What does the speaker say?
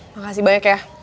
makasih banyak ya